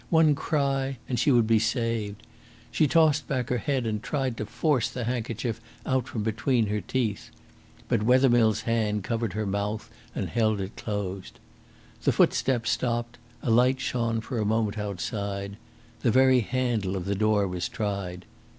One cry, and she would be saved. She tossed back her head and tried to force the handkerchief out from between her teeth. But Wethermill's hand covered her mouth and held it closed. The footsteps stopped, a light shone for a moment outside. The very handle of the door was tried.